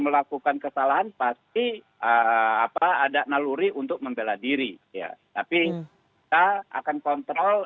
melakukan kesalahan pasti apa ada naluri untuk membela diri ya tapi kita akan kontrol